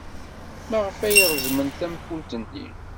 Maɣef ay reẓmen tankult-nni?